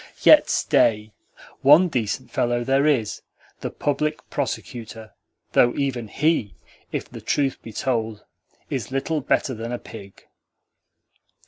Yet stay: ONE decent fellow there is the Public Prosecutor; though even HE, if the truth be told, is little better than a pig."